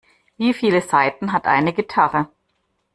Wie viele Saiten hat eine Gitarre?